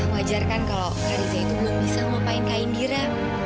wajar kan kalau kak riza itu belum bisa ngelupain kak indira